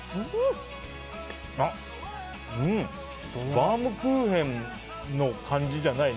バウムクーヘンの感じじゃないね。